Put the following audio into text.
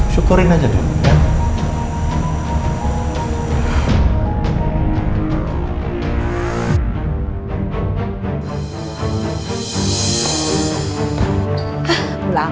sukurin aja dulu ya